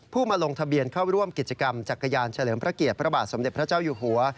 มาลงทะเบียนเข้าร่วมกิจกรรมจักรยานเฉลิมพระเกียรติพระบาทสมเด็จพระเจ้าอยู่หัว